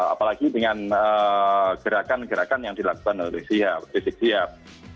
apalagi dengan gerakan gerakan yang dilakukan oleh riseg siap